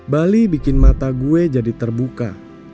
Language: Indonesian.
bali bikin mata gue jadi terbuka